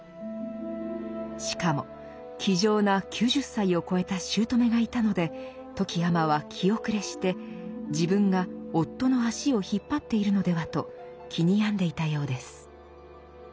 しかも気丈な９０歳を越えた姑がいたので富木尼は気後れして自分が夫の足を引っ張っているのではと気に病んでいたようです。